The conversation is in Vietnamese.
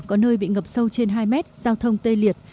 có nơi bị ngập sâu trên hai mét giao thông tê liệt